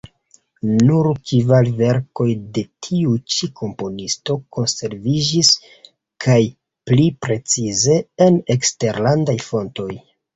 Nur kvar verkoj de tiu ĉi komponisto konserviĝis kaj, pli precize, en eksterlandaj fontoj.